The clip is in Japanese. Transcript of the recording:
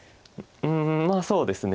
まあそうですね。